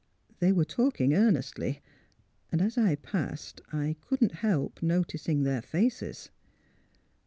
They were talking ear nestly. And as I passed I couldn't help noticing their faces."